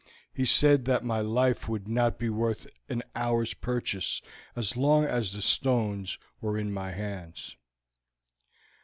He said that my life would not be worth an hour's purchase as long as the stones were in my hands."